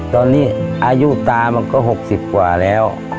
ตอนนี้อายุตามันก็๖๐กว่าแล้ว